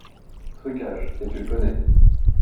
trucage, et tu le connais.